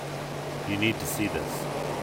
You need to see this.